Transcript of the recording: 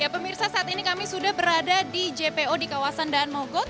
pemirsa saat ini kami sudah berada di jpo di kawasan daan mogot